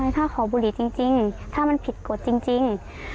ถ้าขอบุหรี่จริงถ้ามันผิดกฎจริง